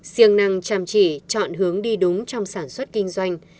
siêng năng chăm chỉ chọn hướng đi đúng trong sản xuất kinh doanh